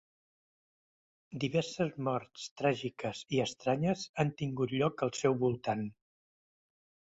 Diverses morts tràgiques i estranyes han tingut lloc al seu voltant.